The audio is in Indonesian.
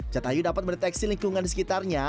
jatayu dapat meneteksi lingkungan di sekitarnya